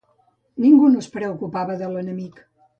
Ningú no es preocupava de l'enemic.